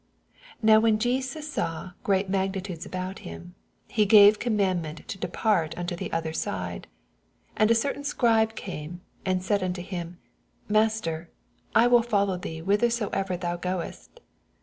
18 Now when Jeaas saw MATTHEW, CHAP. VHI. 7Y Dii/titndes about him, he gave oom inaLdment to depart unto the other lide. 19 And a certain Scribe came, and Baid nnto him, Master, I will follow thee whithersoever thou goest.